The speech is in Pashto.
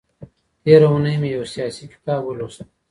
تېره اونۍ مي يو سياسي کتاب ولوست.